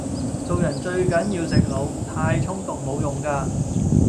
做人最緊要食腦，太衝動無用架